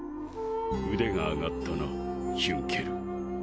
腕が上がったなヒュンケル。